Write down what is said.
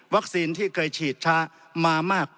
วัคซีนที่เคยฉีดช้ามามาก